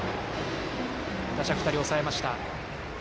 打者２人抑えました。